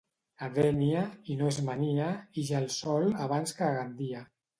A Dénia, i no és mania, ix el sol abans que a Gandia.